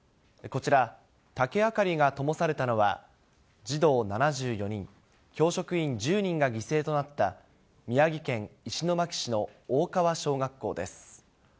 こちら、竹あかりがともされたのは、児童７４人、教職員１０人が犠牲となった、宮城県石巻市の大川小学校です。